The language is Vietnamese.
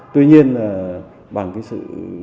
tuy nhiên bằng sự